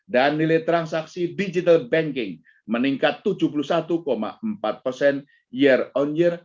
dan nilai transaksi digital banking meningkat tujuh puluh satu empat tahun ke depan